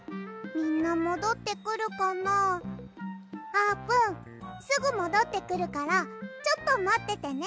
あーぷんすぐもどってくるからちょっとまっててね。